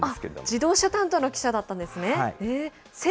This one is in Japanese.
自動車担当の記者だったんですね。